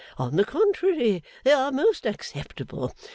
On the contrary, they are most acceptable.